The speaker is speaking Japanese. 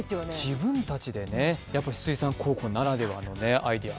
自分たちでね、水産高校ならではのアイデア。